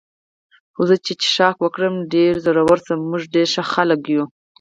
خو زه چې څښاک وکړم ډېر زړور شم، موږ ډېر ښه خلک یو.